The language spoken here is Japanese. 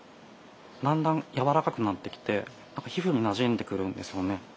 だんだん柔らかくなってきて皮膚になじんでくるんですよね。